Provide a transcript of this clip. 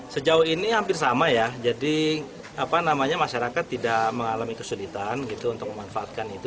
sejauh ini hampir sama ya jadi apa namanya masyarakat tidak mengalami kesulitan gitu untuk memanfaatkan itu